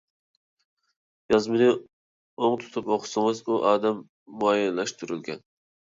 يازمىنى ئوڭ تۇتۇپ ئوقۇسىڭىز ئۇ ئادەم مۇئەييەنلەشتۈرۈلگەن.